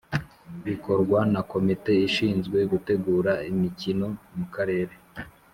Bikorwa na komite ishinzwe gutegura imikino mu karere